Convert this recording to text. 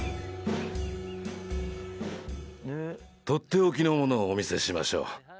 取って置きのものをお見せしましょう。